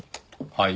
はい？